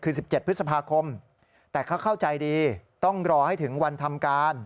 คือ๑๗พฤษภาคมแต่เขาเข้าใจดีต้องรอให้ถึงวันทำการ